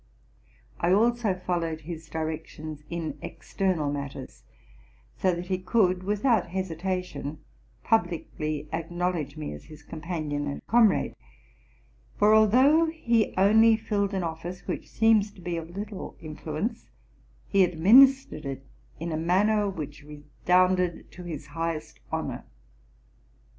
I also_ followed his directions in external matters ; so that he could, without hesitation, publicly acknowledge me as his com panion and comrade: for, although he only filled an office which seems to be of little influence, he administered it in a manner which redounded to his highest honor.